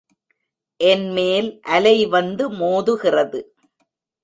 என்மேல் அலை வந்து மோதுகிறது.